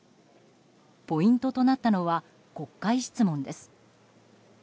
ポイントとなったのは国会質問です。